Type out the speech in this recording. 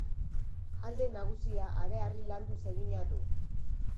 Alde nagusia hareharri landuz egina du.